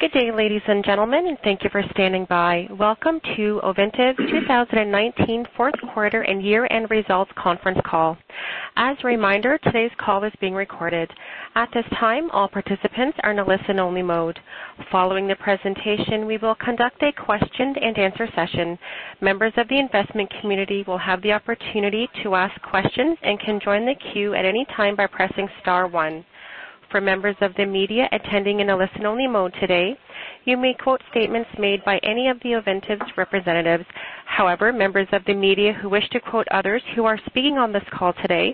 Good day, ladies and gentlemen, and thank you for standing by. Welcome to Ovintiv's 2019 fourth quarter and year-end results conference call. As a reminder, today's call is being recorded. At this time, all participants are in a listen-only mode. Following the presentation, we will conduct a question-and-answer session. Members of the investment community will have the opportunity to ask questions and can join the queue at any time by pressing star one. For members of the media attending in a listen-only mode today, you may quote statements made by any of the Ovintiv's representatives. However, members of the media who wish to quote others who are speaking on this call today,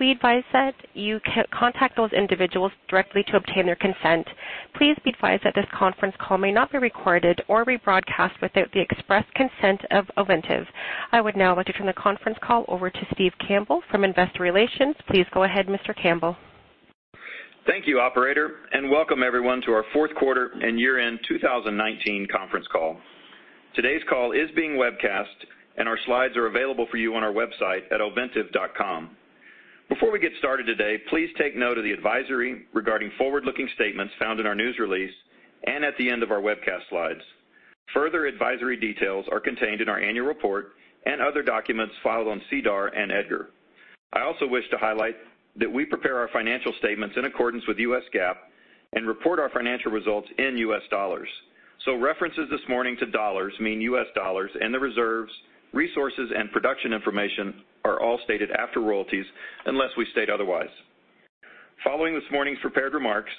we advise that you contact those individuals directly to obtain their consent. Please be advised that this conference call may not be recorded or rebroadcast without the express consent of Ovintiv. I would now like to turn the conference call over to Steve Campbell from investor relations. Please go ahead, Mr. Campbell. Thank you, operator. Welcome everyone to our fourth quarter and year-end 2019 conference call. Today's call is being webcast. Our slides are available for you on our website at ovintiv.com. Before we get started today, please take note of the advisory regarding forward-looking statements found in our news release and at the end of our webcast slides. Further advisory details are contained in our annual report and other documents filed on SEDAR and EDGAR. I also wish to highlight that we prepare our financial statements in accordance with U.S. GAAP and report our financial results in U.S. dollars. References this morning to dollars mean U.S. dollars. The reserves, resources, and production information are all stated after royalties unless we state otherwise. Following this morning's prepared remarks,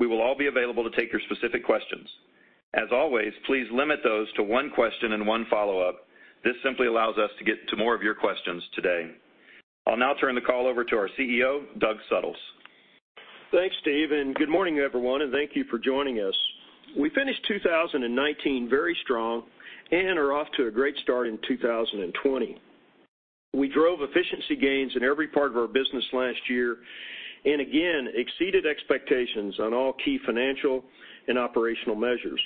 we will all be available to take your specific questions. As always, please limit those to one question and one follow-up. This simply allows us to get to more of your questions today. I'll now turn the call over to our CEO, Doug Suttles. Thanks, Steve, good morning, everyone, and thank you for joining us. We finished 2019 very strong and are off to a great start in 2020. We drove efficiency gains in every part of our business last year and again exceeded expectations on all key financial and operational measures.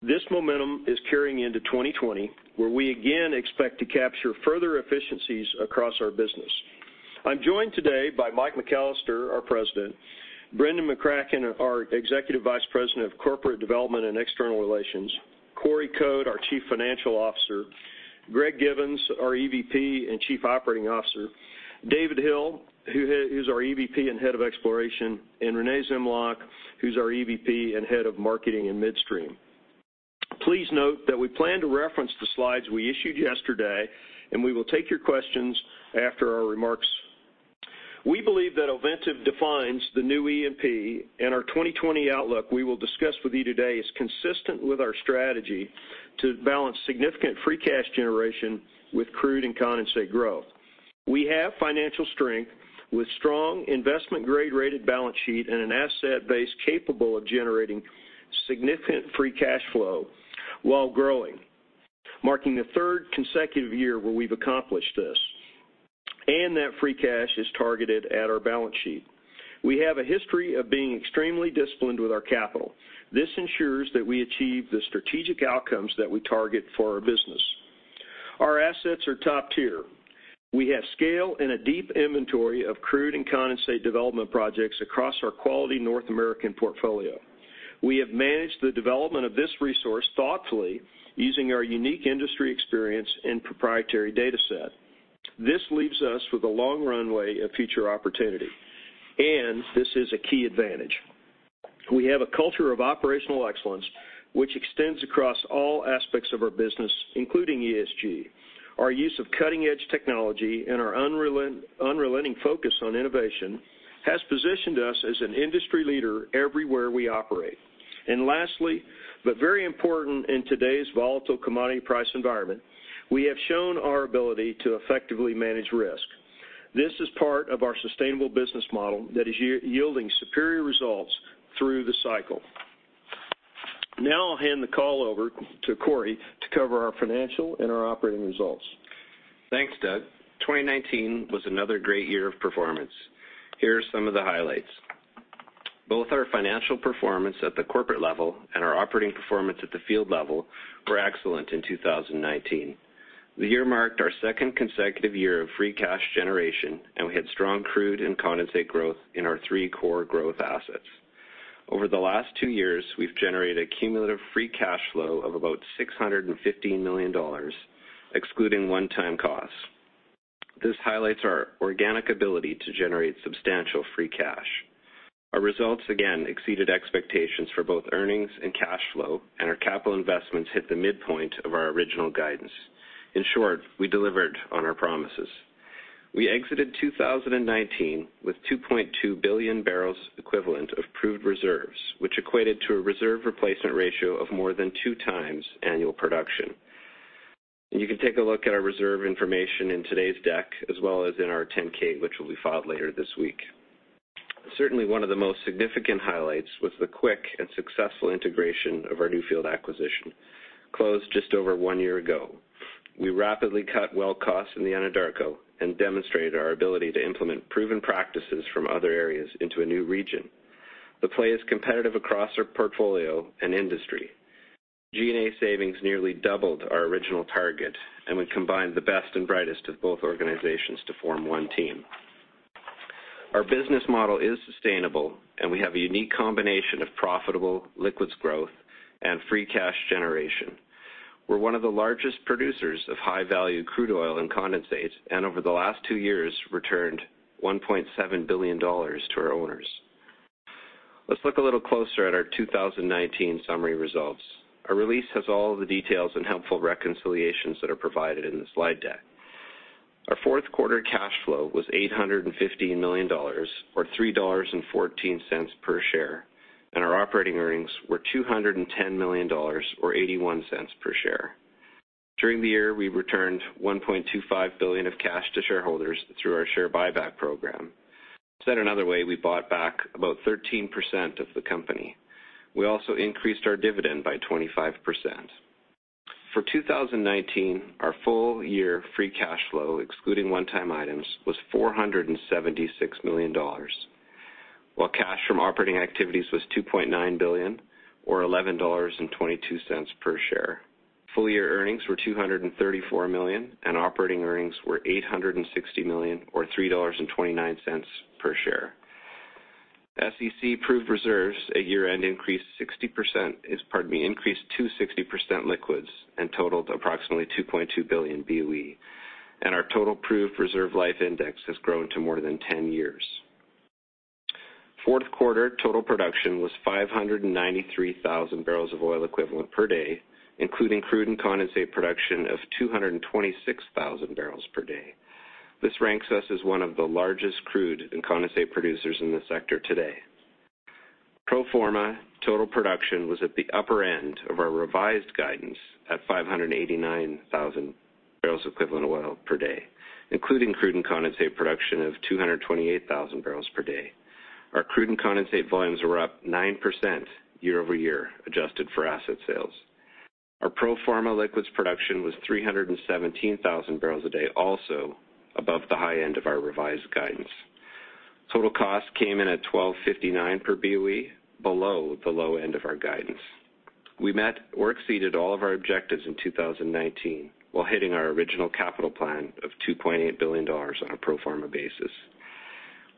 This momentum is carrying into 2020, where we again expect to capture further efficiencies across our business. I'm joined today by Michael McAllister, our President, Brendan McCracken, our Executive Vice President of Corporate Development and External Relations, Corey Code, our Chief Financial Officer, Greg Givens, our EVP and Chief Operating Officer, David Hill, who's our EVP and Head of Exploration, and Renee Zemljak, who's our EVP and Head of Marketing and Midstream. Please note that we plan to reference the slides we issued yesterday, we will take your questions after our remarks. We believe that Ovintiv defines the new E&P, our 2020 outlook we will discuss with you today is consistent with our strategy to balance significant free cash generation with crude and condensate growth. We have financial strength with strong investment-grade rated balance sheet and an asset base capable of generating significant free cash flow while growing, marking the third consecutive year where we've accomplished this. That free cash is targeted at our balance sheet. We have a history of being extremely disciplined with our capital. This ensures that we achieve the strategic outcomes that we target for our business. Our assets are top-tier. We have scale and a deep inventory of crude and condensate development projects across our quality North American portfolio. We have managed the development of this resource thoughtfully using our unique industry experience and proprietary data set. This leaves us with a long runway of future opportunity, and this is a key advantage. We have a culture of operational excellence, which extends across all aspects of our business, including ESG. Our use of cutting-edge technology and our unrelenting focus on innovation has positioned us as an industry leader everywhere we operate. Lastly, but very important in today's volatile commodity price environment, we have shown our ability to effectively manage risk. This is part of our sustainable business model that is yielding superior results through the cycle. I'll hand the call over to Corey to cover our financial and our operating results. Thanks, Doug. 2019 was another great year of performance. Here are some of the highlights. Both our financial performance at the corporate level and our operating performance at the field level were excellent in 2019. The year marked our two consecutive year of free cash generation, and we had strong crude and condensate growth in our three core growth assets. Over the last two years, we've generated a cumulative free cash flow of about $615 million, excluding one-time costs. This highlights our organic ability to generate substantial free cash. Our results again exceeded expectations for both earnings and cash flow, and our capital investments hit the midpoint of our original guidance. In short, we delivered on our promises. We exited 2019 with 2.2 billion barrels equivalent of proved reserves, which equated to a reserve replacement ratio of more than two times annual production. You can take a look at our reserve information in today's deck, as well as in our 10-K, which will be filed later this week. Certainly, one of the most significant highlights was the quick and successful integration of our Newfield acquisition, closed just over one year ago. We rapidly cut well costs in the Anadarko and demonstrated our ability to implement proven practices from other areas into a new region. The play is competitive across our portfolio and industry. G&A savings nearly doubled our original target, and we combined the best and brightest of both organizations to form one team. Our business model is sustainable, and we have a unique combination of profitable liquids growth and free cash generation. We're one of the largest producers of high-value crude oil and condensate, and over the last two years returned $1.7 billion to our owners. Let's look a little closer at our 2019 summary results. Our release has all of the details and helpful reconciliations that are provided in the slide deck. Our fourth quarter cash flow was $815 million or $3.14 per share, and our operating earnings were $210 million or $0.81 per share. During the year, we returned $1.25 billion of cash to shareholders through our share buyback program. Said another way, we bought back about 13% of the company. We also increased our dividend by 25%. For 2019, our full year free cash flow, excluding one-time items, was $476 million. While cash from operating activities was $2.9 billion or $11.22 per share. Full year earnings were $234 million, and operating earnings were $860 million or $3.29 per share. SEC proved reserves at year-end increased to 60% liquids and totaled approximately 2.2 billion BOE. Our total proved reserve life index has grown to more than 10 years. Fourth quarter total production was 593,000 barrels of oil equivalent per day, including crude and condensate production of 226,000 barrels per day. This ranks us as one of the largest crude and condensate producers in the sector today. Pro forma total production was at the upper end of our revised guidance at 589,000 barrels equivalent of oil per day, including crude and condensate production of 228,000 barrels per day. Our crude and condensate volumes were up 9% year-over-year, adjusted for asset sales. Our pro forma liquids production was 317,000 barrels a day, also above the high end of our revised guidance. Total cost came in at $12.59 per BOE, below the low end of our guidance. We met or exceeded all of our objectives in 2019 while hitting our original capital plan of $2.8 billion on a pro forma basis.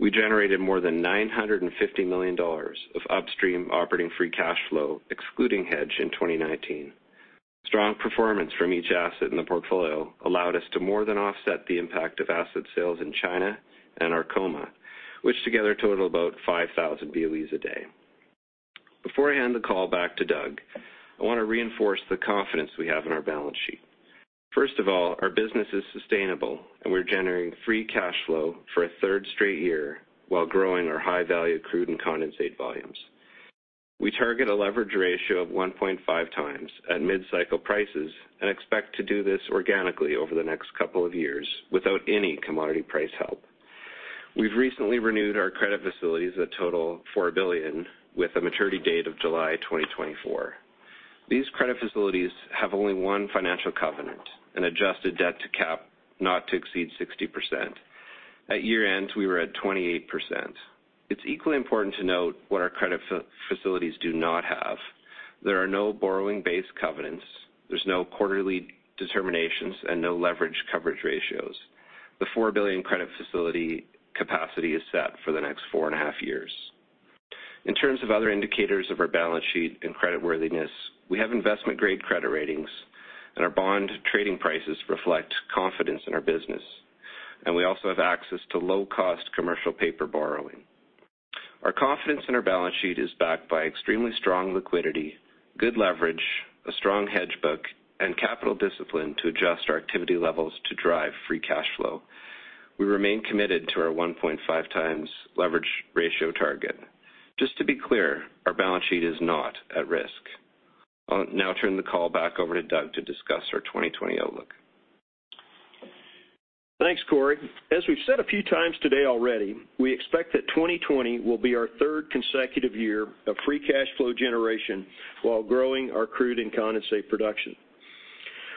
We generated more than $950 million of upstream operating free cash flow, excluding hedge in 2019. Strong performance from each asset in the portfolio allowed us to more than offset the impact of asset sales in China and Arkoma, which together total about 5,000 BOEs a day. Before I hand the call back to Doug, I want to reinforce the confidence we have in our balance sheet. First of all, our business is sustainable, and we're generating free cash flow for a third straight year while growing our high-value crude and condensate volumes. We target a leverage ratio of 1.5 times at mid-cycle prices and expect to do this organically over the next couple of years without any commodity price help. We've recently renewed our credit facilities that total $4 billion with a maturity date of July 2024. These credit facilities have only one financial covenant, an adjusted debt to cap, not to exceed 60%. At year end, we were at 28%. It's equally important to note what our credit facilities do not have. There are no borrowing base covenants. There's no quarterly determinations and no leverage coverage ratios. The $4 billion credit facility capacity is set for the next four and a half years. In terms of other indicators of our balance sheet and credit worthiness, we have investment-grade credit ratings, and our bond trading prices reflect confidence in our business. We also have access to low-cost commercial paper borrowing. Our confidence in our balance sheet is backed by extremely strong liquidity, good leverage, a strong hedge book, and capital discipline to adjust our activity levels to drive free cash flow. We remain committed to our 1.5 times leverage ratio target. Just to be clear, our balance sheet is not at risk. I'll now turn the call back over to Doug to discuss our 2020 outlook. Thanks, Corey. As we've said a few times today already, we expect that 2020 will be our third consecutive year of free cash flow generation while growing our crude and condensate production.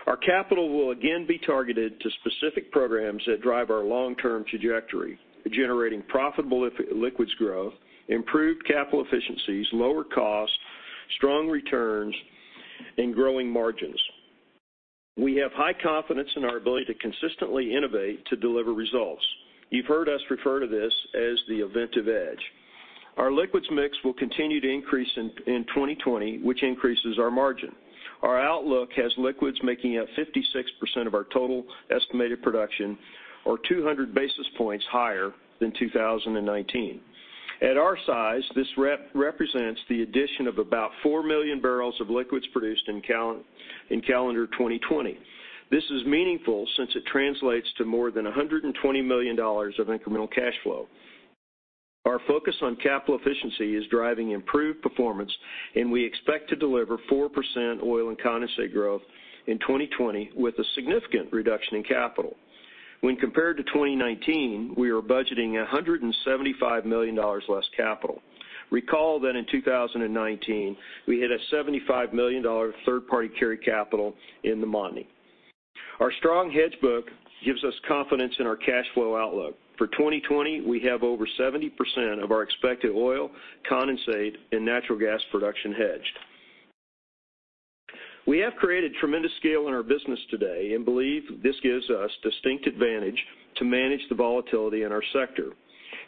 Our capital will again be targeted to specific programs that drive our long-term trajectory, generating profitable liquids growth, improved capital efficiencies, lower costs, strong returns, and growing margins. We have high confidence in our ability to consistently innovate to deliver results. You've heard us refer to this as the Ovintiv Edge. Our liquids mix will continue to increase in 2020, which increases our margin. Our outlook has liquids making up 56% of our total estimated production or 200 basis points higher than 2019. At our size, this represents the addition of about 4 million barrels of liquids produced in calendar 2020. This is meaningful since it translates to more than $120 million of incremental cash flow. Our focus on capital efficiency is driving improved performance, and we expect to deliver 4% oil and condensate growth in 2020 with a significant reduction in capital. When compared to 2019, we are budgeting $175 million less capital. Recall that in 2019, we hit a $75 million third-party carry capital in the Montney. Our strong hedge book gives us confidence in our cash flow outlook. For 2020, we have over 70% of our expected oil, condensate, and natural gas production hedged. We have created tremendous scale in our business today and believe this gives us distinct advantage to manage the volatility in our sector.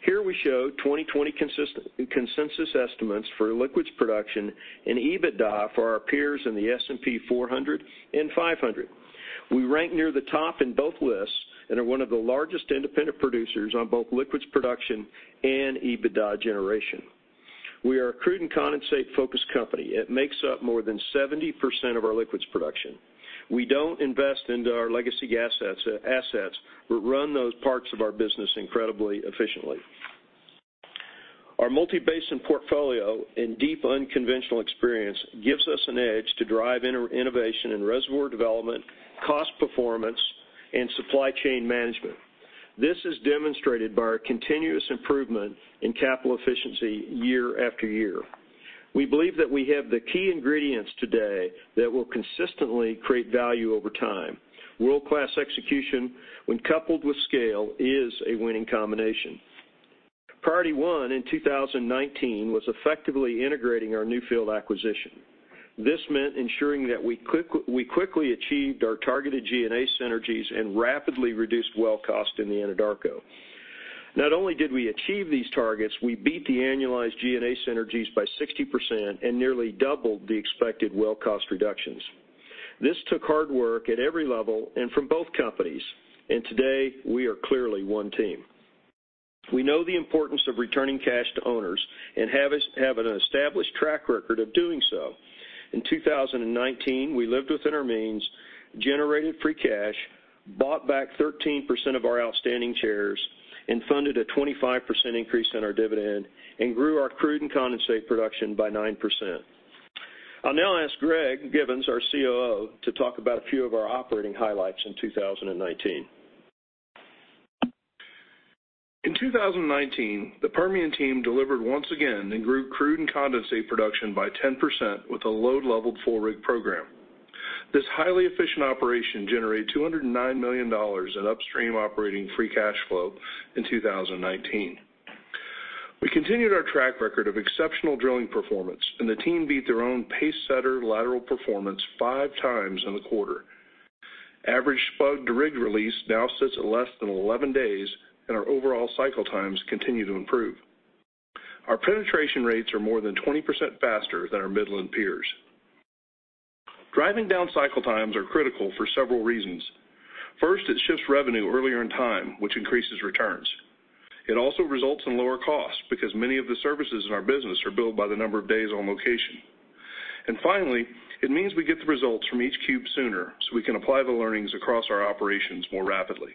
Here we show 2020 consensus estimates for liquids production and EBITDA for our peers in the S&P 400 and 500. We rank near the top in both lists and are one of the largest independent producers on both liquids production and EBITDA generation. We are a crude and condensate-focused company. It makes up more than 70% of our liquids production. We don't invest into our legacy assets, but run those parts of our business incredibly efficiently. Our multi-basin portfolio and deep unconventional experience gives us an edge to drive innovation in reservoir development, cost performance, and supply chain management. This is demonstrated by our continuous improvement in capital efficiency year after year. We believe that we have the key ingredients today that will consistently create value over time. World-class execution, when coupled with scale, is a winning combination. Priority one in 2019 was effectively integrating our Newfield acquisition. This meant ensuring that we quickly achieved our targeted G&A synergies and rapidly reduced well cost in the Anadarko. Not only did we achieve these targets, we beat the annualized G&A synergies by 60% and nearly doubled the expected well cost reductions. This took hard work at every level and from both companies, and today we are clearly one team. We know the importance of returning cash to owners and have an established track record of doing so. In 2019, we lived within our means, generated free cash, bought back 13% of our outstanding shares, and funded a 25% increase in our dividend and grew our crude and condensate production by 9%. I'll now ask Greg Givens, our COO, to talk about a few of our operating highlights in 2019. In 2019, the Permian team delivered once again and grew crude and condensate production by 10% with a load-leveled four-rig program. This highly efficient operation generated $209 million in upstream operating free cash flow in 2019. We continued our track record of exceptional drilling performance, the team beat their own pacesetter lateral performance five times in the quarter. Average spud to rig release now sits at less than 11 days, and our overall cycle times continue to improve. Our penetration rates are more than 20% faster than our Midland peers. Driving down cycle times are critical for several reasons. First, it shifts revenue earlier in time, which increases returns. It also results in lower costs because many of the services in our business are billed by the number of days on location. Finally, it means we get the results from each cube sooner, so we can apply the learnings across our operations more rapidly.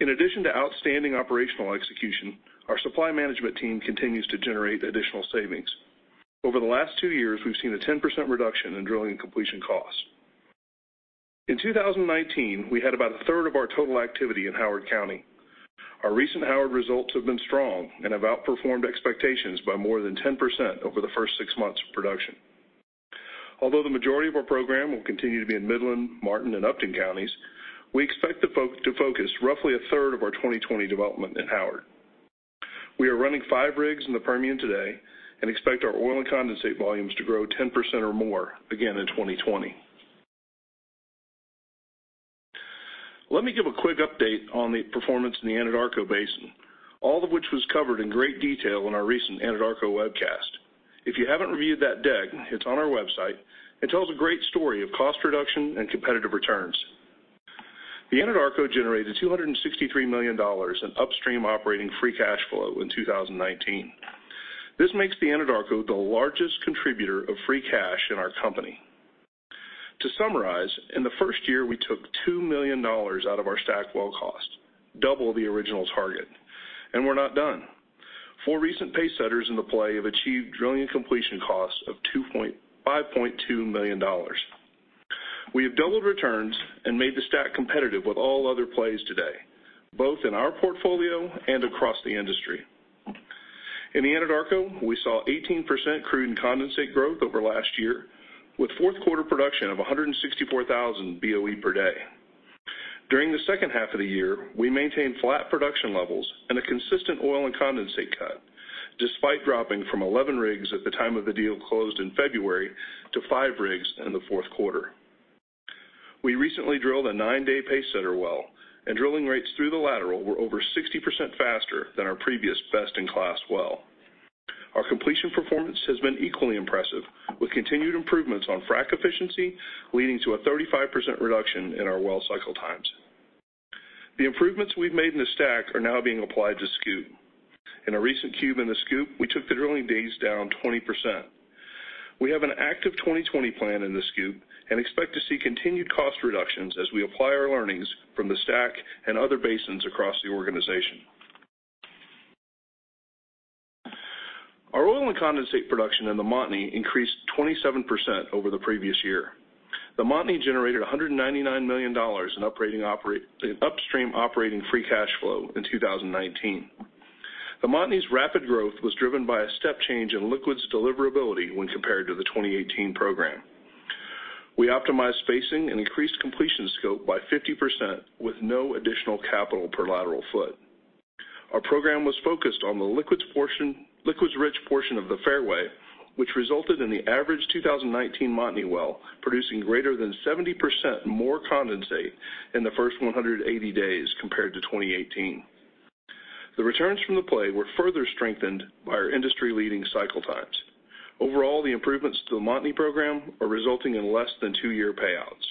In addition to outstanding operational execution, our supply management team continues to generate additional savings. Over the last two years, we've seen a 10% reduction in drilling and completion costs. In 2019, we had about a third of our total activity in Howard County. Our recent Howard results have been strong and have outperformed expectations by more than 10% over the first six months of production. Although the majority of our program will continue to be in Midland, Martin, and Upton counties, we expect to focus roughly a third of our 2020 development in Howard. We are running five rigs in the Permian today and expect our oil and condensate volumes to grow 10% or more again in 2020. Let me give a quick update on the performance in the Anadarko Basin, all of which was covered in great detail in our recent Anadarko webcast. If you haven't reviewed that deck, it's on our website. It tells a great story of cost reduction and competitive returns. The Anadarko generated $263 million in upstream operating free cash flow in 2019. This makes the Anadarko the largest contributor of free cash in our company. To summarize, in the first year, we took $2 million out of our stack well cost, double the original target. We're not done. Four recent pacesetters in the play have achieved drilling and completion costs of $5.2 million. We have doubled returns and made the stack competitive with all other plays today, both in our portfolio and across the industry. In the Anadarko, we saw 18% crude and condensate growth over last year, with fourth quarter production of 164,000 BOE per day. During the second half of the year, we maintained flat production levels and a consistent oil and condensate cut, despite dropping from 11 rigs at the time of the deal closed in February to five rigs in the fourth quarter. We recently drilled a nine-day pacesetter well, and drilling rates through the lateral were over 60% faster than our previous best-in-class well. Our completion performance has been equally impressive, with continued improvements on frack efficiency leading to a 35% reduction in our well cycle times. The improvements we've made in the stack are now being applied to SCOOP. In a recent cube in the SCOOP, we took the drilling days down 20%. We have an active 2020 plan in the SCOOP and expect to see continued cost reductions as we apply our learnings from the STACK and other basins across the organization. Our oil and condensate production in the Montney increased 27% over the previous year. The Montney generated $199 million in upstream operating free cash flow in 2019. The Montney's rapid growth was driven by a step change in liquids deliverability when compared to the 2018 program. We optimized spacing and increased completion scope by 50% with no additional capital per lateral foot. Our program was focused on the liquids-rich portion of the condensate fairway, which resulted in the average 2019 Montney well producing greater than 70% more condensate in the first 180 days compared to 2018. The returns from the play were further strengthened by our industry-leading cycle times. Overall, the improvements to the Montney program are resulting in less than two-year payouts.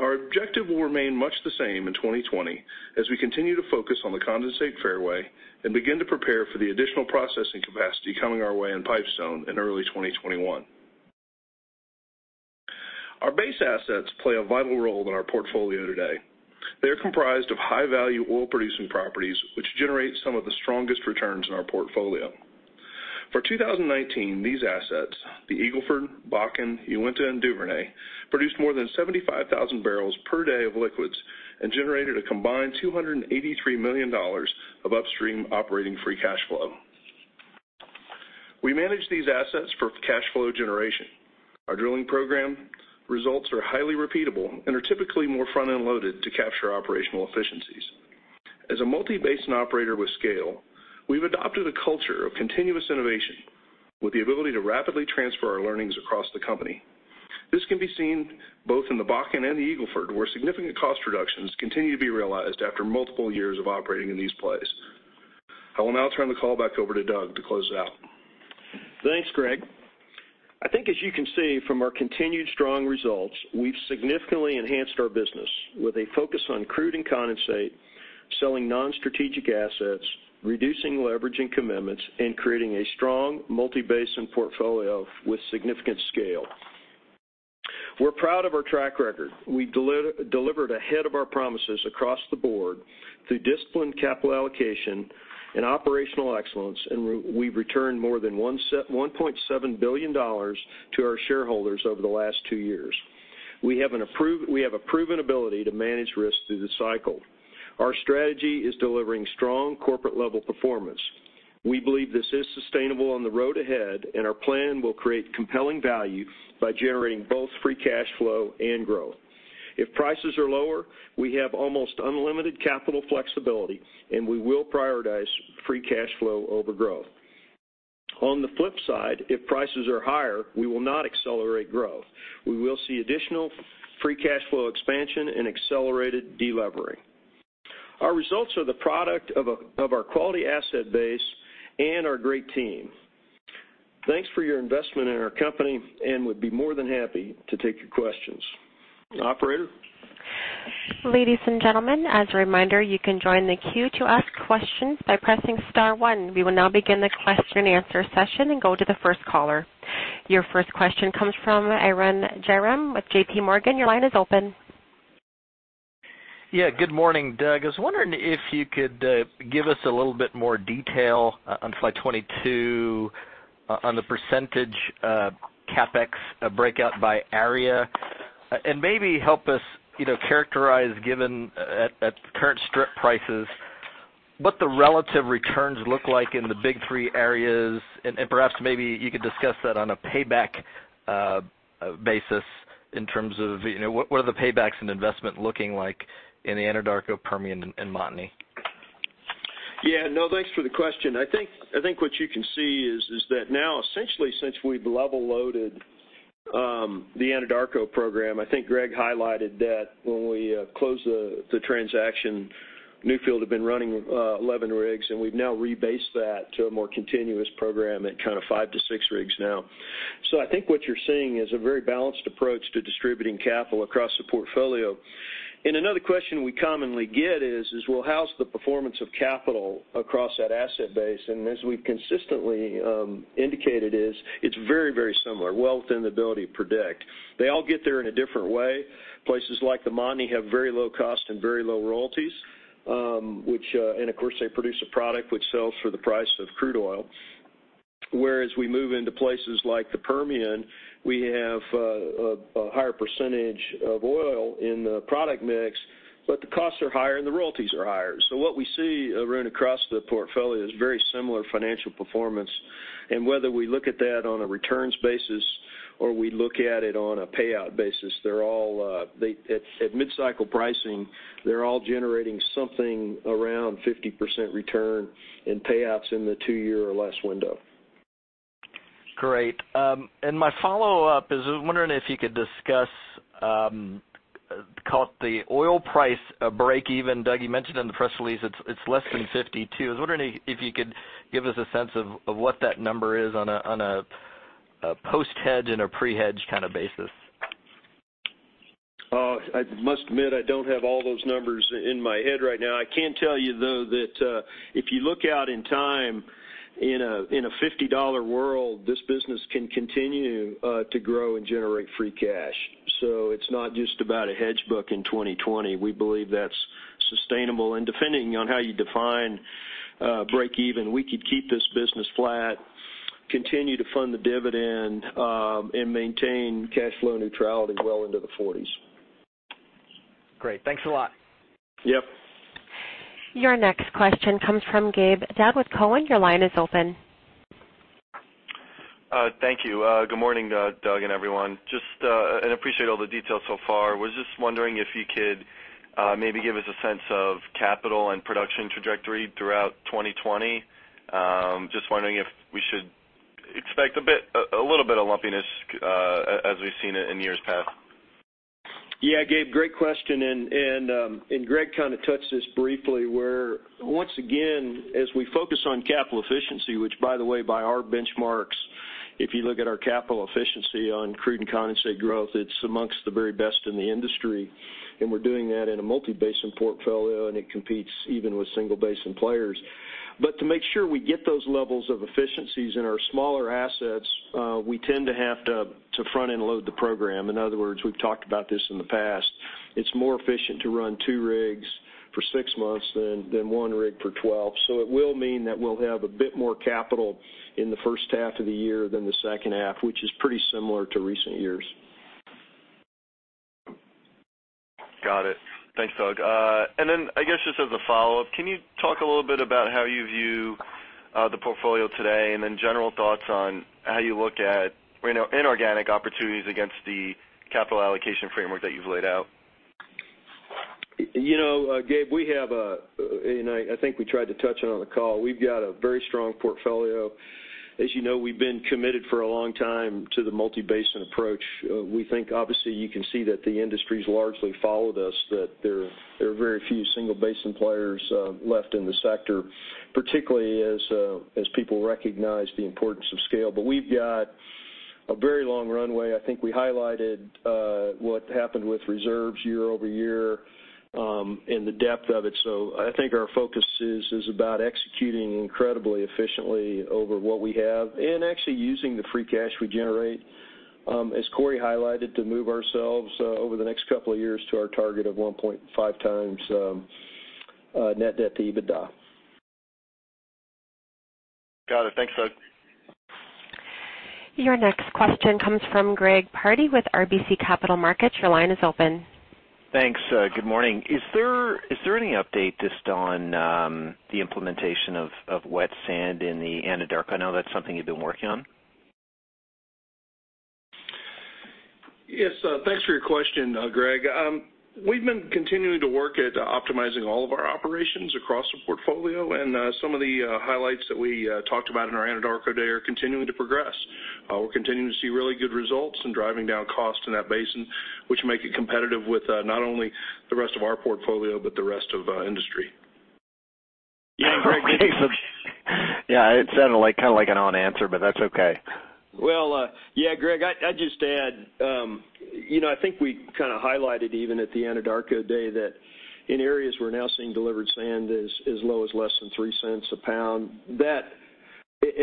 Our objective will remain much the same in 2020 as we continue to focus on the condensate fairway and begin to prepare for the additional processing capacity coming our way in Pipestone in early 2021. Our base assets play a vital role in our portfolio today. They're comprised of high-value oil-producing properties, which generate some of the strongest returns in our portfolio. For 2019, these assets, the Eagle Ford, Bakken, Uinta, and Duvernay, produced more than 75,000 barrels per day of liquids and generated a combined $283 million of upstream operating free cash flow. We manage these assets for cash flow generation. Our drilling program results are highly repeatable and are typically more front-end loaded to capture operational efficiencies. As a multi-basin operator with scale, we've adopted a culture of continuous innovation with the ability to rapidly transfer our learnings across the company. This can be seen both in the Bakken and the Eagle Ford, where significant cost reductions continue to be realized after multiple years of operating in these plays. I will now turn the call back over to Doug to close it out. Thanks, Greg. I think as you can see from our continued strong results, we've significantly enhanced our business with a focus on crude and condensate, selling non-strategic assets, reducing leverage and commitments, and creating a strong multi-basin portfolio with significant scale. We're proud of our track record. We delivered ahead of our promises across the board through disciplined capital allocation and operational excellence, and we've returned more than $1.7 billion to our shareholders over the last two years. We have a proven ability to manage risks through the cycle. Our strategy is delivering strong corporate-level performance. We believe this is sustainable on the road ahead, and our plan will create compelling value by generating both free cash flow and growth. If prices are lower, we have almost unlimited capital flexibility, and we will prioritize free cash flow over growth. On the flip side, if prices are higher, we will not accelerate growth. We will see additional free cash flow expansion and accelerated de-levering. Our results are the product of our quality asset base and our great team. Thanks for your investment in our company and would be more than happy to take your questions. Operator? Ladies and gentlemen, as a reminder, you can join the queue to ask questions by pressing star one. We will now begin the question and answer session and go to the first caller. Your first question comes from Arun Jayaram with JPMorgan. Your line is open. Yeah, good morning, Doug. I was wondering if you could give us a little bit more detail on slide 22 on the percentage CapEx breakout by area, and maybe help us characterize, given at the current strip prices, what the relative returns look like in the big three areas, and perhaps maybe you could discuss that on a payback basis in terms of what are the paybacks and investment looking like in the Anadarko, Permian, and Montney? Yeah, thanks for the question. I think what you can see is that now essentially since we've level-loaded the Anadarko program, I think Greg highlighted that when we closed the transaction, Newfield had been running 11 rigs, we've now rebased that to a more continuous program at kind of five to six rigs now. I think what you're seeing is a very balanced approach to distributing capital across the portfolio. Another question we commonly get is: Well, how's the performance of capital across that asset base? As we've consistently indicated is it's very, very similar, well within the ability to predict. They all get there in a different way. Places like the Montney have very low cost and very low royalties, of course, they produce a product which sells for the price of crude oil. Whereas we move into places like the Permian, we have a higher percentage of oil in the product mix, but the costs are higher and the royalties are higher. What we see, Arun, across the portfolio is very similar financial performance, and whether we look at that on a returns basis or we look at it on a payout basis, at mid-cycle pricing, they're all generating something around 50% return and payouts in the two-year or less window. Great. My follow-up is I was wondering if you could discuss the oil price break even. Doug, you mentioned in the press release it's less than $52. I was wondering if you could give us a sense of what that number is on a post-hedge and a pre-hedge kind of basis. I must admit, I don't have all those numbers in my head right now. I can tell you, though, that if you look out in time in a $50 world, this business can continue to grow and generate free cash. It's not just about a hedge book in 2020. We believe that's sustainable. Depending on how you define break even, we could keep this business flat, continue to fund the dividend, and maintain cash flow neutrality well into the 40s. Great. Thanks a lot. Yep. Your next question comes from Gabe Daoud with TD Cowen. Your line is open Thank you. Good morning, Doug and everyone. Appreciate all the details so far. Was just wondering if you could maybe give us a sense of capital and production trajectory throughout 2020. Just wondering if we should expect a little bit of lumpiness as we've seen it in years past. Yeah, Gabe, great question, and Greg kind of touched this briefly where, once again, as we focus on capital efficiency, which by the way, by our benchmarks, if you look at our capital efficiency on crude and condensate growth, it's amongst the very best in the industry, and we're doing that in a multi-basin portfolio, and it competes even with single basin players. To make sure we get those levels of efficiencies in our smaller assets, we tend to have to front-end load the program. In other words, we've talked about this in the past, it's more efficient to run two rigs for six months than one rig for 12. It will mean that we'll have a bit more capital in the first half of the year than the second half, which is pretty similar to recent years. Got it. Thanks, Doug. I guess just as a follow-up, can you talk a little bit about how you view the portfolio today, and then general thoughts on how you look at inorganic opportunities against the capital allocation framework that you've laid out? Gabe, I think we tried to touch it on the call. We've got a very strong portfolio. As you know, we've been committed for a long time to the multi-basin approach. We think, obviously, you can see that the industry's largely followed us, that there are very few single basin players left in the sector, particularly as people recognize the importance of scale. We've got a very long runway. I think we highlighted what happened with reserves year-over-year, and the depth of it. I think our focus is about executing incredibly efficiently over what we have and actually using the free cash we generate, as Corey highlighted, to move ourselves over the next couple of years to our target of 1.5x net debt to EBITDA. Got it. Thanks, Doug. Your next question comes from Greg Pardy with RBC Capital Markets. Your line is open. Thanks. Good morning. Is there any update just on the implementation of wet sand in the Anadarko? I know that's something you've been working on. Yes. Thanks for your question, Greg. We've been continuing to work at optimizing all of our operations across the portfolio, and some of the highlights that we talked about in our Anadarko Day are continuing to progress. We're continuing to see really good results and driving down costs in that basin, which make it competitive with not only the rest of our portfolio, but the rest of the industry. Yeah, Greg. Yeah, it sounded like kind of like an "on" answer, but that's okay. Well, yeah, Greg, I'd just add, I think we kind of highlighted even at the Anadarko Day that in areas we're now seeing delivered sand as low as less than $0.03 a pound.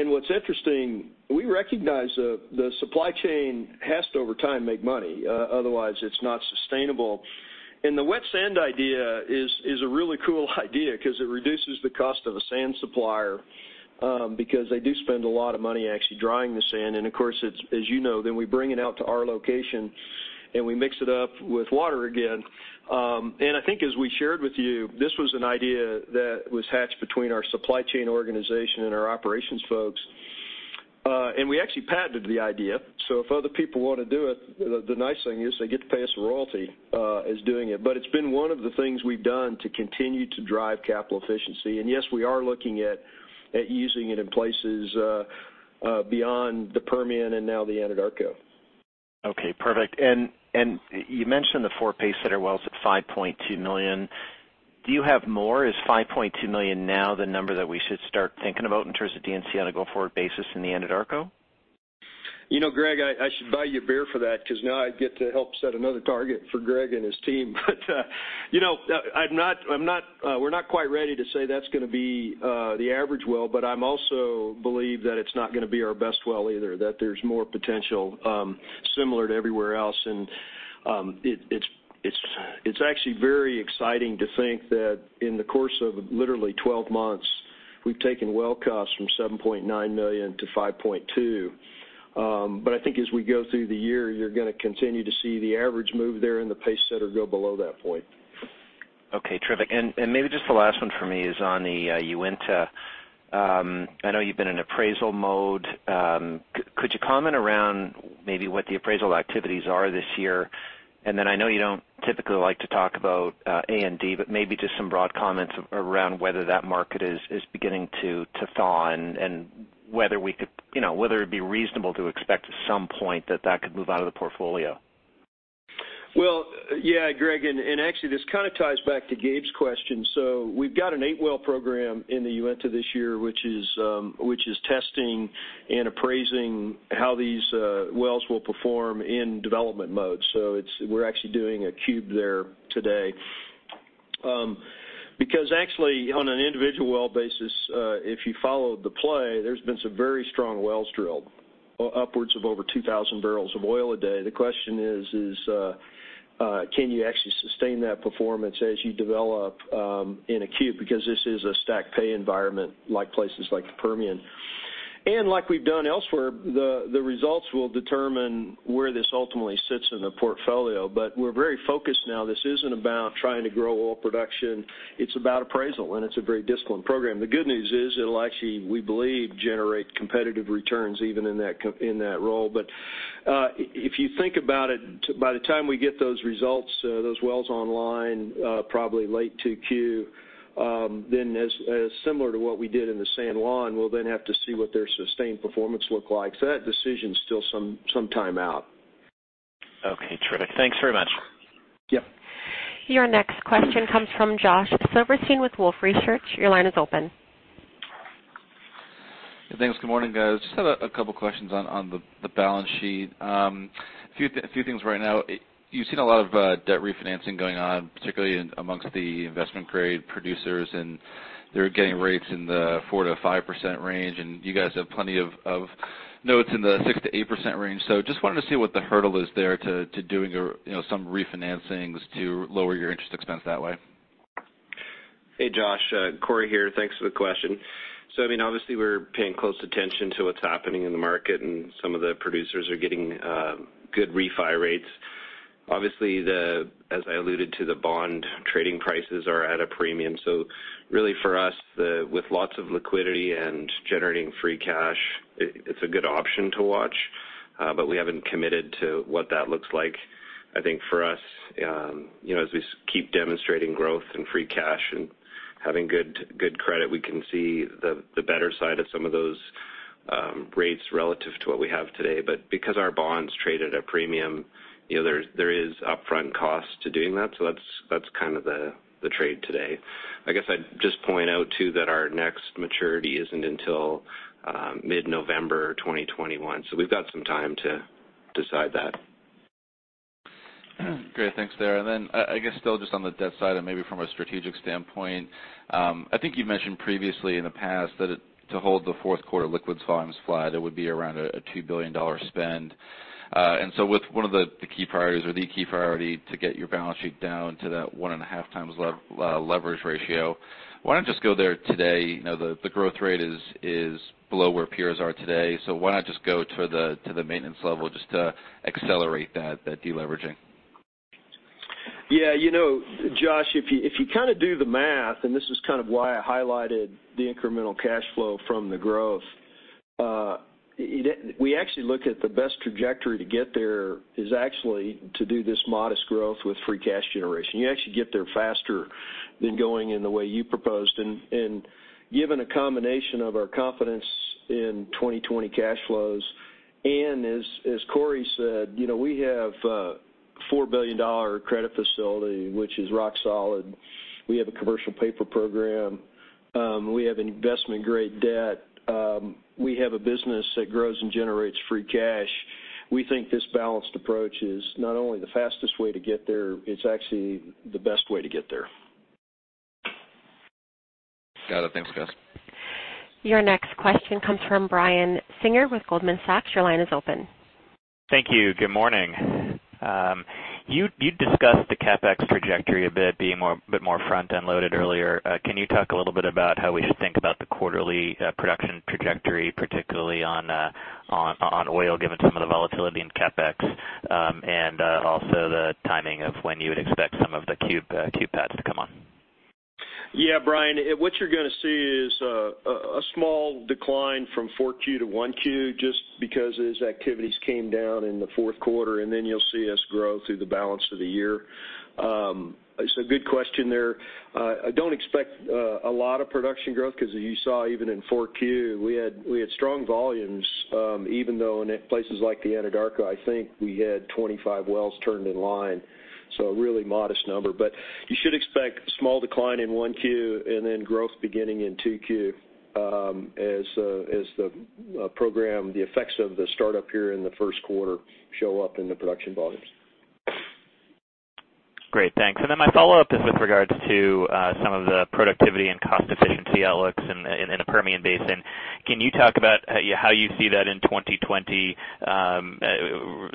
What's interesting, we recognize the supply chain has to, over time, make money. Otherwise it's not sustainable. The wet sand idea is a really cool idea because it reduces the cost of a sand supplier, because they do spend a lot of money actually drying the sand. Of course, as you know, then we bring it out to our location, and we mix it up with water again. I think as we shared with you, this was an idea that was hatched between our supply chain organization and our operations folks. We actually patented the idea, so if other people want to do it, the nice thing is they get to pay us a royalty as doing it. It's been one of the things we've done to continue to drive capital efficiency. Yes, we are looking at using it in places beyond the Permian and now the Anadarko. Okay, perfect. You mentioned the four pacesetter wells at $5.2 million. Do you have more? Is $5.2 million now the number that we should start thinking about in terms of D&C on a go-forward basis in the Anadarko? Greg, I should buy you a beer for that because now I get to help set another target for Greg and his team. We're not quite ready to say that's going to be the average well, but I also believe that it's not going to be our best well either, that there's more potential similar to everywhere else. It's actually very exciting to think that in the course of literally 12 months, we've taken well costs from $7.9 million-$5.2 million. I think as we go through the year, you're going to continue to see the average move there and the pacesetter go below that point. Okay, terrific. Maybe just the last one for me is on the Uinta. I know you've been in appraisal mode. Could you comment around maybe what the appraisal activities are this year? I know you don't typically like to talk about A&D, but maybe just some broad comments around whether that market is beginning to thaw and whether it'd be reasonable to expect at some point that that could move out of the portfolio. Well, yeah, Greg, and actually this kind of ties back to Gabe's question. We've got an eight-well program in the Uinta this year, which is testing and appraising how these wells will perform in development mode. We're actually doing a cube there today. Actually on an individual well basis, if you follow the play, there's been some very strong wells drilled, upwards of over 2,000 barrels of oil a day. The question is: can you actually sustain that performance as you develop in a cube? This is a stack pay environment, like places like the Permian. Like we've done elsewhere, the results will determine where this ultimately sits in the portfolio, but we're very focused now. This isn't about trying to grow oil production. It's about appraisal, and it's a very disciplined program. The good news is it'll actually, we believe, generate competitive returns even in that role. If you think about it, by the time we get those results, those wells online, probably late 2Q, then as similar to what we did in the San Juan, we'll then have to see what their sustained performance look like. That decision's still some time out. Okay, terrific. Thanks very much. Yep. Your next question comes from Josh Silverstein with Wolfe Research. Your line is open. Thanks. Good morning, guys. Just have a couple questions on the balance sheet. A few things right now. You've seen a lot of debt refinancing going on, particularly amongst the investment-grade producers, and they're getting rates in the 4%-5% range, and you guys have plenty of notes in the 6%-8% range. Just wanted to see what the hurdle is there to doing some refinancings to lower your interest expense that way. Hey, Josh. Corey here. Thanks for the question. Obviously, we're paying close attention to what's happening in the market, and some of the producers are getting good refi rates. Obviously, as I alluded to, the bond trading prices are at a premium. Really for us, with lots of liquidity and generating free cash, it's a good option to watch. We haven't committed to what that looks like. I think for us, as we keep demonstrating growth and free cash and having good credit, we can see the better side of some of those rates relative to what we have today. Because our bonds trade at a premium, there is upfront cost to doing that. That's the trade today. I guess I'd just point out too that our next maturity isn't until mid-November 2021, so we've got some time to decide that. Great. Thanks there. I guess still just on the debt side and maybe from a strategic standpoint, I think you've mentioned previously in the past that to hold the fourth quarter liquids volumes flat, there would be around a $2 billion spend. With one of the key priorities or the key priority to get your balance sheet down to that 1.5x leverage ratio, why not just go there today? The growth rate is below where peers are today, why not just go to the maintenance level just to accelerate that de-leveraging? Josh, if you do the math, this is why I highlighted the incremental cash flow from the growth, we actually look at the best trajectory to get there is actually to do this modest growth with free cash generation. You actually get there faster than going in the way you proposed. Given a combination of our confidence in 2020 cash flows, as Corey said, we have a $4 billion credit facility, which is rock solid. We have a commercial paper program. We have investment-grade debt. We have a business that grows and generates free cash. We think this balanced approach is not only the fastest way to get there, it's actually the best way to get there. Got it. Thanks, guys. Your next question comes from Brian Singer with Goldman Sachs. Your line is open. Thank you. Good morning. You discussed the CapEx trajectory a bit being a bit more front-end loaded earlier. Can you talk a little bit about how we should think about the quarterly production trajectory, particularly on oil, given some of the volatility in CapEx, and also the timing of when you would expect some of the cube pads to come on? Yeah, Brian, what you're going to see is a small decline from 4Q to 1Q just because those activities came down in the fourth quarter, and then you'll see us grow through the balance of the year. It's a good question there. I don't expect a lot of production growth because as you saw even in 4Q, we had strong volumes even though in places like the Anadarko, I think we had 25 wells turned in line, so a really modest number. You should expect a small decline in 1Q and then growth beginning in 2Q as the program, the effects of the startup here in the first quarter show up in the production volumes. Great, thanks. Then my follow-up is with regards to some of the productivity and cost efficiency outlooks in the Permian Basin. Can you talk about how you see that in 2020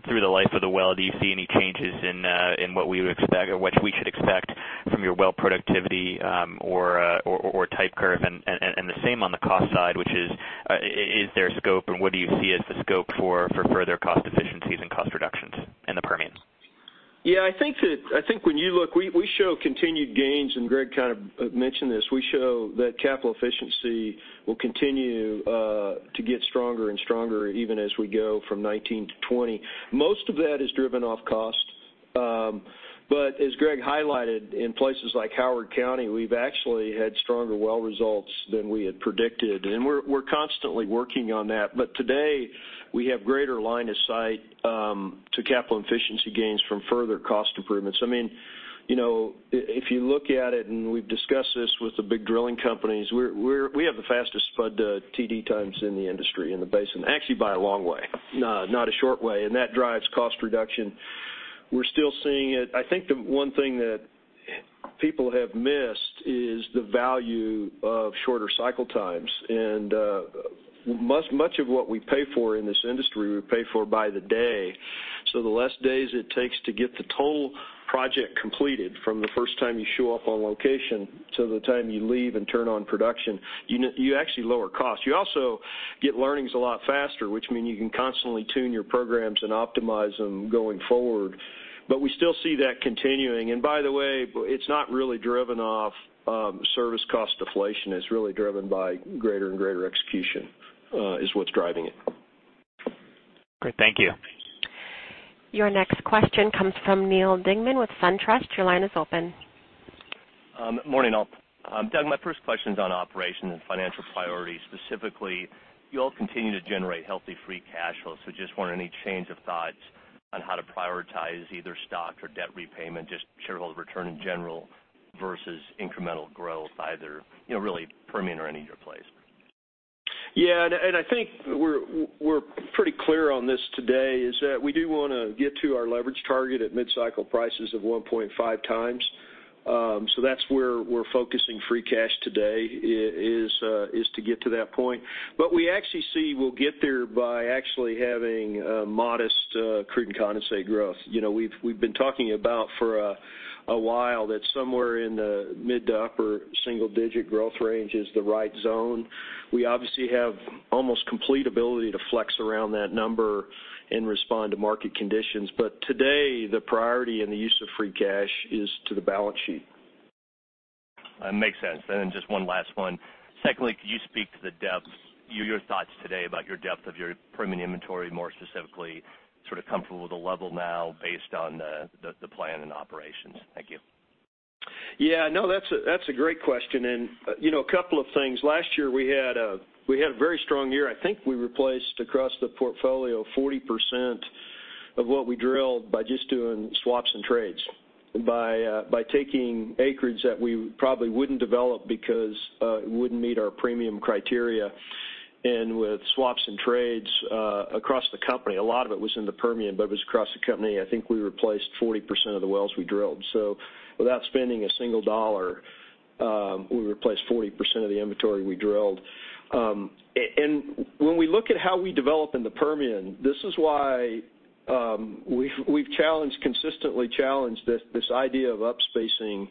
through the life of the well? Do you see any changes in what we should expect from your well productivity or type curve? The same on the cost side, is there a scope, and what do you see as the scope for further cost efficiencies and cost reductions in the Permian? Yeah, I think when you look, we show continued gains, and Greg kind of mentioned this. We show that capital efficiency will continue to get stronger and stronger even as we go from 2019-2020. Most of that is driven off cost. As Greg highlighted, in places like Howard County, we've actually had stronger well results than we had predicted, and we're constantly working on that. Today, we have greater line of sight to capital efficiency gains from further cost improvements. If you look at it, and we've discussed this with the big drilling companies, we have the fastest spud to TD times in the industry, in the basin, actually by a long way, not a short way, and that drives cost reduction. We're still seeing it. I think the one thing that people have missed is the value of shorter cycle times. Much of what we pay for in this industry, we pay for by the day. The less days it takes to get the total project completed from the first time you show up on location to the time you leave and turn on production, you actually lower cost. You also get learnings a lot faster, which mean you can constantly tune your programs and optimize them going forward. We still see that continuing. By the way, it's not really driven off service cost deflation. It's really driven by greater and greater execution, is what's driving it. Great. Thank you. Your next question comes from Neal Dingmann with SunTrust. Your line is open. Morning, all. Doug, my first question's on operations and financial priorities. Specifically, you all continue to generate healthy free cash flow, so just wonder any change of thoughts on how to prioritize either stock or debt repayment, just shareholder return in general versus incremental growth, either really Permian or any of your plays. Yeah. I think we're pretty clear on this today, is that we do want to get to our leverage target at mid-cycle prices of 1.5x. That's where we're focusing free cash today, is to get to that point. We actually see we'll get there by actually having modest crude and condensate growth. We've been talking about for a while that somewhere in the mid to upper single-digit growth range is the right zone. We obviously have almost complete ability to flex around that number and respond to market conditions. Today, the priority and the use of free cash is to the balance sheet. Makes sense. Just one last one. Secondly, could you speak to your thoughts today about your depth of your Permian inventory, more specifically, sort of comfortable with the level now based on the plan and operations? Thank you. Yeah, no, that's a great question. A couple of things. Last year, we had a very strong year. I think we replaced, across the portfolio, 40% of what we drilled by just doing swaps and trades, by taking acreage that we probably wouldn't develop because it wouldn't meet our premium criteria. With swaps and trades across the company, a lot of it was in the Permian, but it was across the company, I think we replaced 40% of the wells we drilled. Without spending a single dollar, we replaced 40% of the inventory we drilled. When we look at how we develop in the Permian, this is why we've consistently challenged this idea of upspacing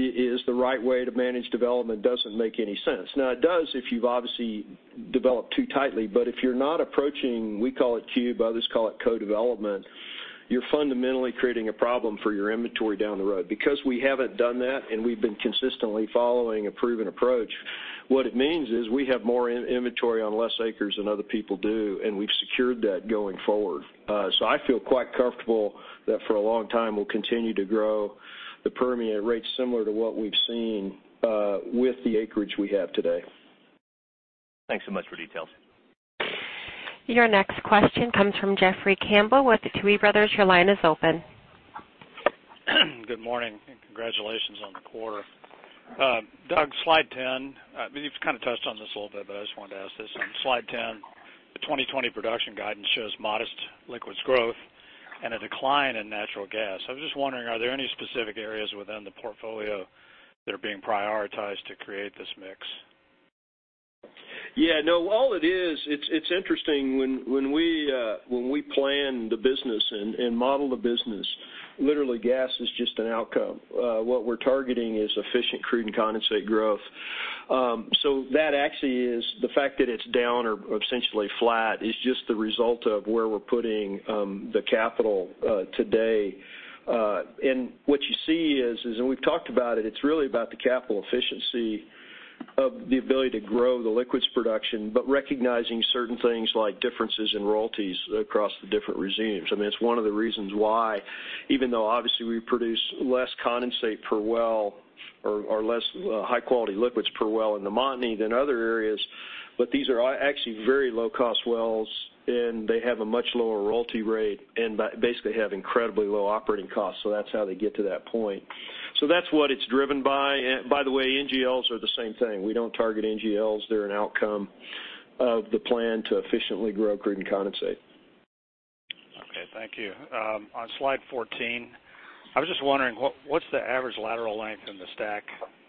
is the right way to manage development doesn't make any sense. Now, it does if you've obviously developed too tightly, but if you're not approaching, we call it cube, others call it co-development, you're fundamentally creating a problem for your inventory down the road. Because we haven't done that and we've been consistently following a proven approach, what it means is we have more inventory on less acres than other people do, and we've secured that going forward. I feel quite comfortable that for a long time we'll continue to grow the Permian at rates similar to what we've seen with the acreage we have today. Thanks so much for details. Your next question comes from Jeffrey Campbell with the Tuohy Brothers. Your line is open. Good morning, and congratulations on the quarter. Doug, slide 10. You've kind of touched on this a little bit, but I just wanted to ask this. On slide 10, the 2020 production guidance shows modest liquids growth and a decline in natural gas. I was just wondering, are there any specific areas within the portfolio that are being prioritized to create this mix? Yeah, no, all it is, it's interesting when we plan the business and model the business, literally gas is just an outcome. What we're targeting is efficient crude and condensate growth. That actually is the fact that it's down or essentially flat is just the result of where we're putting the capital today. What you see is, and we've talked about it's really about the capital efficiency of the ability to grow the liquids production, but recognizing certain things like differences in royalties across the different regimes. It's one of the reasons why, even though obviously we produce less condensate per well or less high-quality liquids per well in the Montney than other areas, but these are actually very low-cost wells, and they have a much lower royalty rate and basically have incredibly low operating costs, so that's how they get to that point. That's what it's driven by. By the way, NGLs are the same thing. We don't target NGLs. They're an outcome of the plan to efficiently grow crude and condensate. Okay, thank you. On slide 14, I was just wondering, what's the average lateral length in the STACK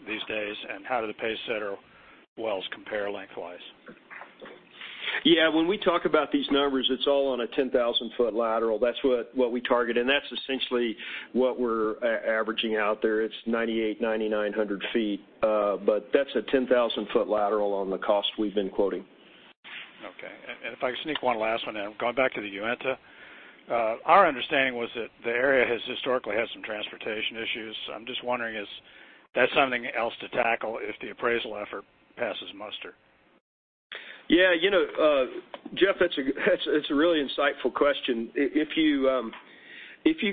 these days, and how do the pacesetter wells compare lengthwise? Yeah. When we talk about these numbers, it's all on a 10,000 ft lateral. That's what we target, that's essentially what we're averaging out there. It's 98, 99, 100 ft. That's a 10,000 ft lateral on the cost we've been quoting. Okay. If I could sneak one last one in. I'm going back to the Uinta. Our understanding was that the area has historically had some transportation issues. I'm just wondering, is that something else to tackle if the appraisal effort passes muster? Jeff, that's a really insightful question. If you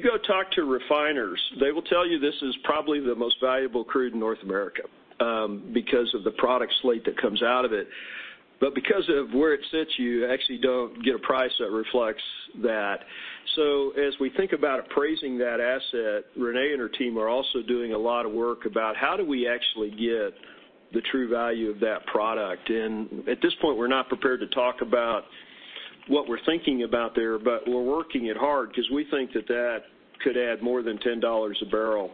go talk to refiners, they will tell you this is probably the most valuable crude in North America because of the product slate that comes out of it. Because of where it sits, you actually don't get a price that reflects that. As we think about appraising that asset, Renee and her team are also doing a lot of work about how do we actually get the true value of that product. At this point, we're not prepared to talk about what we're thinking about there, but we're working it hard because we think that that could add more than $10 a barrel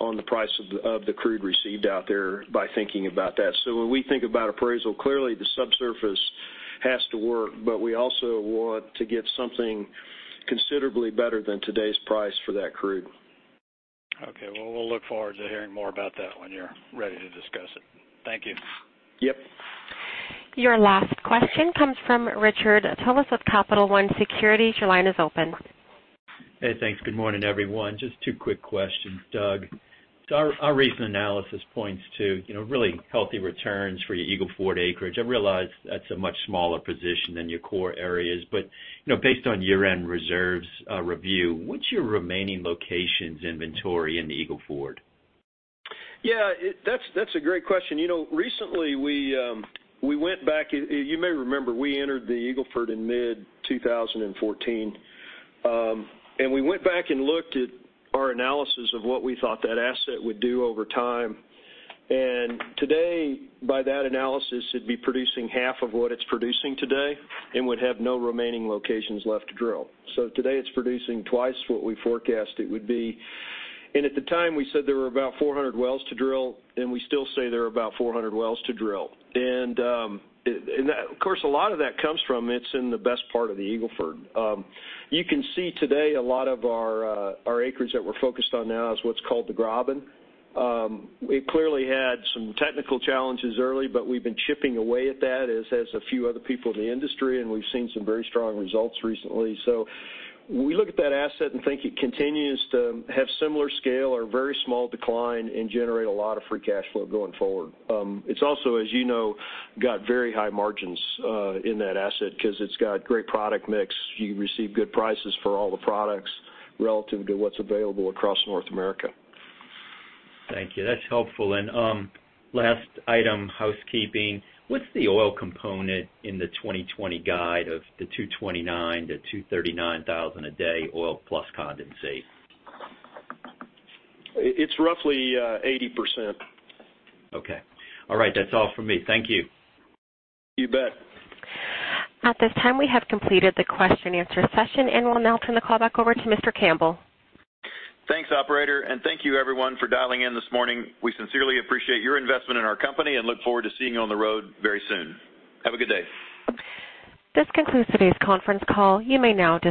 on the price of the crude received out there by thinking about that. When we think about appraisal, clearly the subsurface has to work, but we also want to get something considerably better than today's price for that crude. Okay. Well, we'll look forward to hearing more about that when you're ready to discuss it. Thank you. Yep. Your last question comes from Richard Tullis with Capital One Securities. Your line is open. Hey, thanks. Good morning, everyone. Just two quick questions. Doug, our recent analysis points to really healthy returns for your Eagle Ford acreage. I realize that's a much smaller position than your core areas, but based on year-end reserves review, what's your remaining locations inventory in the Eagle Ford? Yeah, that's a great question. Recently, you may remember, we entered the Eagle Ford in mid 2014. We went back and looked at our analysis of what we thought that asset would do over time. Today, by that analysis, it'd be producing half of what it's producing today and would have no remaining locations left to drill. Today it's producing twice what we forecast it would be. At the time, we said there were about 400 wells to drill, and we still say there are about 400 wells to drill. Of course, a lot of that comes from it's in the best part of the Eagle Ford. You can see today a lot of our acreage that we're focused on now is what's called the Graben. We clearly had some technical challenges early, but we've been chipping away at that, as has a few other people in the industry, and we've seen some very strong results recently. We look at that asset and think it continues to have similar scale or very small decline and generate a lot of free cash flow going forward. It's also, as you know, got very high margins in that asset because it's got great product mix. You receive good prices for all the products relative to what's available across North America. Thank you. That's helpful. Last item, housekeeping. What's the oil component in the 2020 guide of the 229,000 to 239,000 a day oil plus condensate? It's roughly 80%. Okay. All right. That's all from me. Thank you. You bet. At this time, we have completed the question and answer session, and we'll now turn the call back over to Mr. Campbell. Thanks, operator, and thank you everyone for dialing in this morning. We sincerely appreciate your investment in our company and look forward to seeing you on the road very soon. Have a good day. This concludes today's conference call. You may now disconnect.